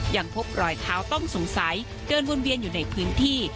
ยังพบรอยเท้าต้องสงสัยเดินวนเวียนอยู่ในพื้นที่